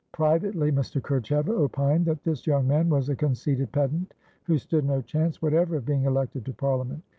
Privately, Mr. Kerchever opined that this young man was a conceited pedant, who stood no chance whatever of being elected to Parliament.